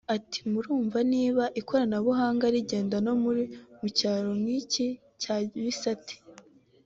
Ati “Murumva niba ikoranabuhanga rigera no mu cyaro nk’iki cya Bisate